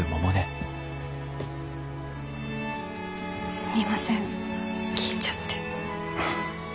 すみません聞いちゃって。